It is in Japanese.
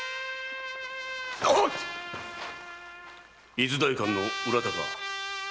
伊豆代官の浦田か。